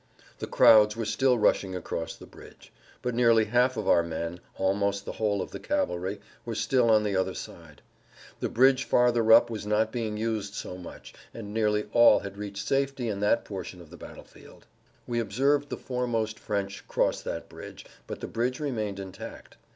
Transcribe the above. The crowds were still rushing across the bridge, but nearly half of our men, almost the whole of the cavalry, were still on the other side. The bridge farther up was not being used so much and nearly all had reached safety in that portion of the battlefield. We observed the foremost French cross that bridge, but the bridge remained intact.